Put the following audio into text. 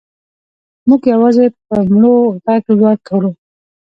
موږ یوازې په مړو غږ لوړ کړو.